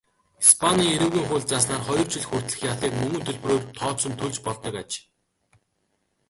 Испанийн эрүүгийн хуульд зааснаар хоёр жил хүртэлх ялыг мөнгөн төлбөрөөр тооцон төлж болдог аж.